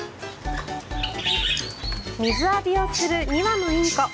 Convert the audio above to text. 水浴びをする２羽のインコ。